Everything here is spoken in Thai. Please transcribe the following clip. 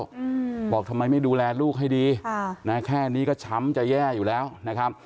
อืมบอกทำไมไม่ดูแลลูกให้ดีค่ะนะแค่นี้ก็ช้ำจะแย่อยู่แล้วนะครับ